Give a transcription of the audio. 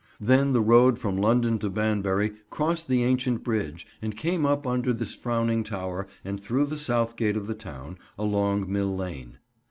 Then the road from London to Banbury crossed the ancient bridge and came up under this frowning tower and through the south gate of the town, along Mill Lane.